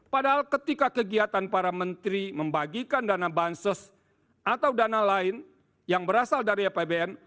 padahal ketika kegiatan para menteri membagikan dana bansos atau dana lain yang berasal dari apbn